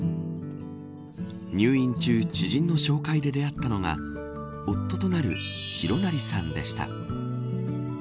入院中知人の紹介で出会ったのが夫となる紘成さんでした。